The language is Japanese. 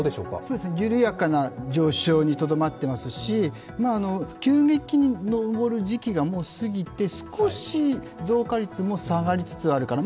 緩やかな上昇にとどまっていますし急激に上る時期がもう過ぎて、少し増加率も下がりつつあるかなと。